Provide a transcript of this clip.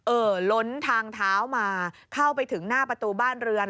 ล้นทางเท้ามาเข้าไปถึงหน้าประตูบ้านเรือน